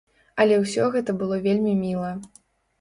Але ўсё гэта было вельмі міла.